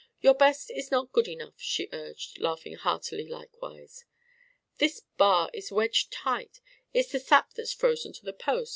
"Your best is not good enough," she urged, laughing heartily likewise. "This bar is wedged tight. It's the sap that's frozen to the post.